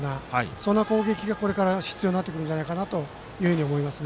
そんな攻撃がこれから必要になってくるんじゃないかと思います。